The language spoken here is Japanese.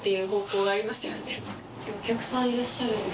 お客さんいらっしゃるので。